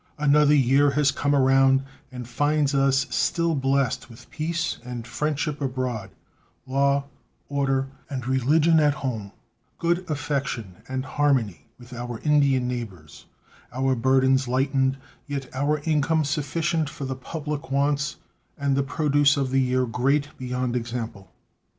Another year has come around, and finds us still blessed with peace and friendship abroad; law, order, and religion at home; good affection and harmony with our Indian neighbors; our burthens lightened, yet our income sufficient for the public wants, and the produce of the year great beyond example.